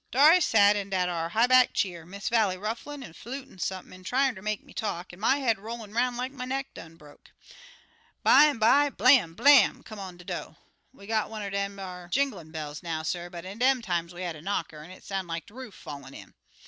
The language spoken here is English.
"Dar I sot in dat ar high back cheer, Miss Vallie rufflin' an' flutin' sump'n, an' tryin' ter make me talk, an' my head rollin' 'roun' like my neck done broke. Bimeby, blam! blam! come on de do'. We got one er dem ar jinglin' bells now, suh, but in dem times we had a knocker, an' it soun' like de roof fallin' in.